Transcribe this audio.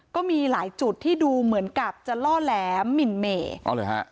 ก็มีหลายจุดที่ดูเหมือนกับจะล่อแหลมหมิ่นเหม่